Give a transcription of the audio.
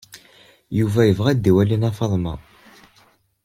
Yuba yebɣa ad iwali Nna Faḍma.